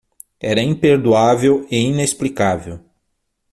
Era imperdoável e inexplicável.